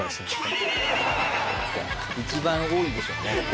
いや一番多いでしょうね。